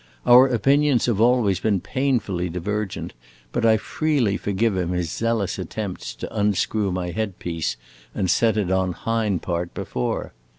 Our opinions have always been painfully divergent, but I freely forgive him his zealous attempts to unscrew my head piece and set it on hind part before.